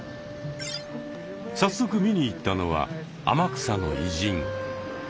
早速見に行ったのは天草の偉人。